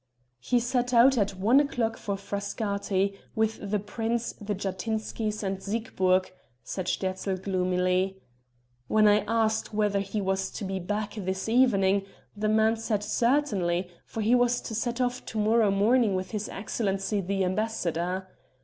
"He set out at one o'clock for Frascati, with the prince, the Jatinskys, and Siegburg," said Sterzl gloomily. "When I asked whether he was to be back this evening the man said certainly, for he was to set off to morrow morning with his excellency the ambassador.